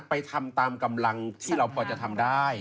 ไปทำตามกำลังที่เราพอจะทำได้